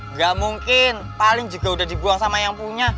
nggak mungkin paling juga udah dibuang sama yang punya